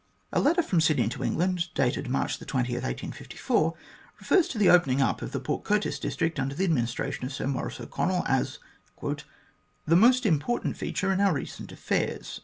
A letter from Sydney to England, dated March 20, 1854 r refers to the opening up of the Port Curtis district under the administration of Sir Maurice O'Connell as "the most important feature in our recent affairs."